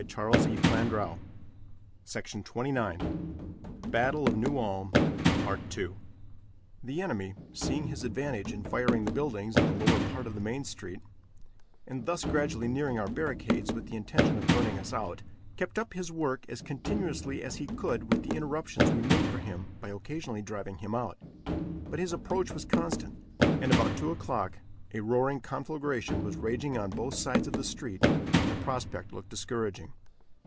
I doubt if we could have mustered over two hundred guns at any time during the fight. The enemy, seeing his advantage in firing the buildings in the lower part of the main street, and thus gradually nearing our barricades with the intention of burning us out, kept up his work as continuously as he could with the interruptions we made for him by occasionally driving him out; but his approach was constant, and about 2 o'clock a roaring conflagration was raging on both sides of the street, and the prospect looked discouraging.